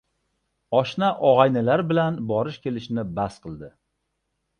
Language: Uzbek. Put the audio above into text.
Oshna-og‘aynilar bilan borish-kelishni bas qildi.